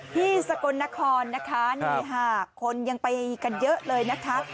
สกลนครนะคะนี่ค่ะคนยังไปกันเยอะเลยนะคะ